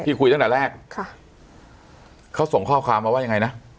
คุยตั้งแต่แรกค่ะเขาส่งข้อความมาว่ายังไงนะ